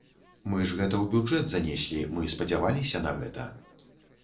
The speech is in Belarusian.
Мы ж гэта ў бюджэт занеслі, мы спадзяваліся на гэта.